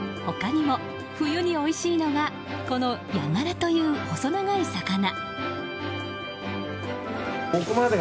他にも冬においしいのがこのヤガラという細長い魚。